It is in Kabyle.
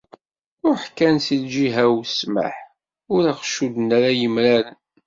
Ruḥ kan si lǧiha-w ssmaḥ, ur ɣ-cudden ara yemraren.